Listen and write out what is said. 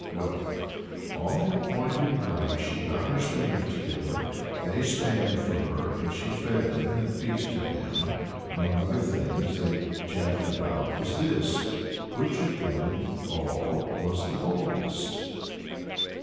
Well, on the appointed night she got her spinners together. They span for her, and she fed them and feasted them. Among other things they chatted about was this which of them all was the boldest?